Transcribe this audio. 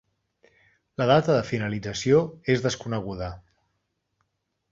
La data de finalització és desconeguda.